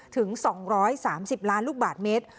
ถึง๒๓๐ล้านลูกบาทเมตร